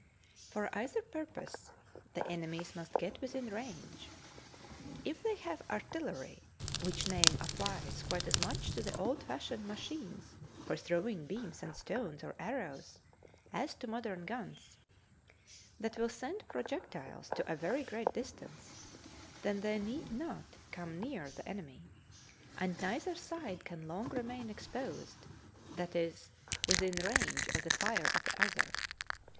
For either purpose the enemies must get within range. If they have artillery (which name applies quite as much to the old fashioned machines for throwing beams and stones or arrows as to modern guns) that will send projectiles to a very great distance, then they need not come near the enemy, and neither side can long remain exposed, that is, within range of the fire of the other.